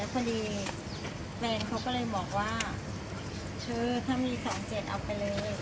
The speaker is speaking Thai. แล้วพอดีแฟนเขาก็เลยบอกว่าเธอถ้ามีสองเจ็ดเอาไปเลย